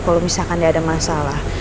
kalo misalkan dia ada masalah